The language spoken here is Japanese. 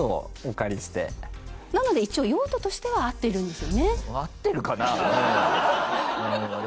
なので一応用途としては合っているんですよね。